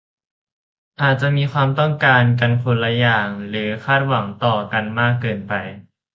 อาจจะมีความต้องการกันคนละอย่างหรือคาดหวังต่อกันมากเกินไป